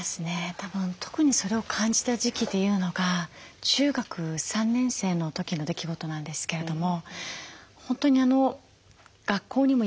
たぶん特にそれを感じた時期というのが中学３年生の時の出来事なんですけれども本当に学校にも居場所がない。